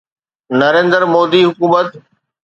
نريندر مودي حڪومت